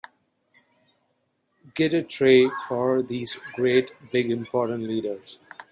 Get a tray for these great big important leaders.